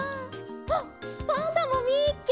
あっパンダもみっけ！